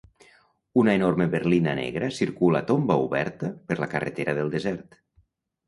Una enorme berlina negra circula a tomba oberta per la carretera del desert.